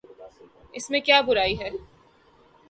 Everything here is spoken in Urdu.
اس میں کیا برائی ہے؟